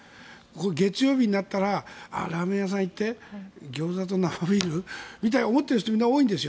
月曜日になったらラーメン屋さんに行ってギョーザと生ビールって思ってる人多いんですよ。